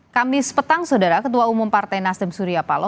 kamis petang saudara ketua umum partai nasdem surya paloh